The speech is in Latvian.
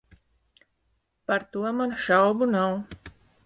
Par to man šaubu nav.